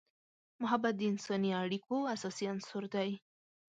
محبت د انسانی اړیکو اساسي عنصر دی.